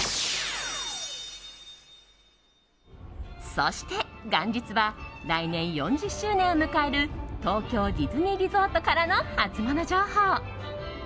そして元日は来年４０周年を迎える東京ディズニーリゾートからのハツモノ情報。